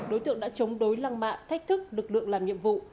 đối tượng đã chống đối lăng mạ thách thức lực lượng làm nhiệm vụ